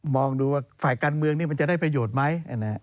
ดูว่าฝ่ายการเมืองมันจะได้ประโยชน์ไหม